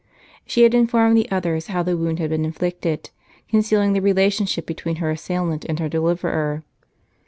She had informed the others how the wound had been inflicted, concealing the relationship between her assailant and her deliverer.